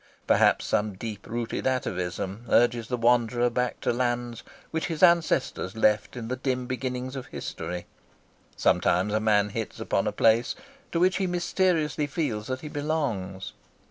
Perhaps some deep rooted atavism urges the wanderer back to lands which his ancestors left in the dim beginnings of history. Sometimes a man hits upon a place to which he mysteriously feels that he belongs.